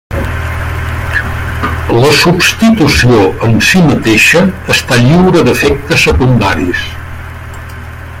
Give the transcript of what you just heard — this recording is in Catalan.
La substitució en si mateixa està lliure d'efectes secundaris.